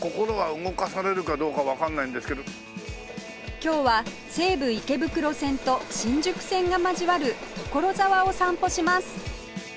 今日は西武池袋線と新宿線が交わる所沢を散歩します